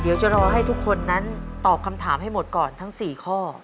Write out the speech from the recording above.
เดี๋ยวจะรอให้ทุกคนนั้นตอบคำถามให้หมดก่อนทั้ง๔ข้อ